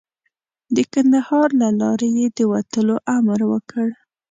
د کندهار له لارې یې د وتلو امر وکړ.